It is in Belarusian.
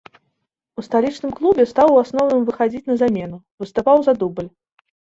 У сталічным клубе стаў у асноўным выхадзіць на замену, выступаў за дубль.